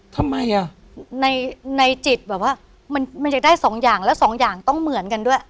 ทำไมอ่ะในในจิตแบบว่ามันจะได้สองอย่างแล้วสองอย่างต้องเหมือนกันด้วย